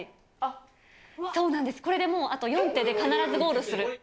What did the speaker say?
そうなんです、これでもうあと４手で必ずゴールする。